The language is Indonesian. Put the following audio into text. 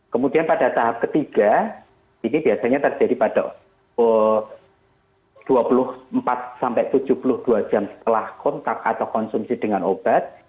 kemudian pada tahap ketiga ini biasanya terjadi pada dua puluh empat sampai tujuh puluh dua jam setelah kontak atau konsumsi dengan obat